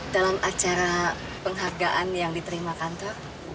dalam acara penghargaan yang diterima kantor